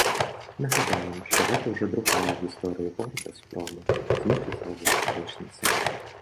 Нагадаем, што гэта ўжо другая ў гісторыі горада спроба знішчыць яго гістарычны цэнтр.